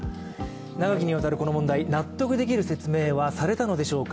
長きにわたるこの問題納得できる説明はされたのでしょうか。